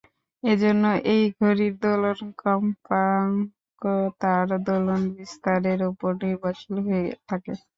এজন্য এই ঘড়ির দোলন-কম্পাঙ্ক তার দোলন-বিস্তারের উপর নির্ভরশীল হয়ে থাকে।